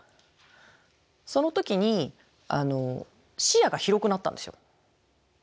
その時に視野が広くなったんですよ。